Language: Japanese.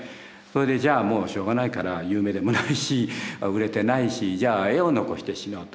それでじゃあもうしょうがないから有名でもないし売れてないしじゃあ絵を残して死のうと。